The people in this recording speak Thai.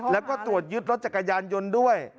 แล้วก็ตรวจยึดรถจักรยานยนต์ด้วย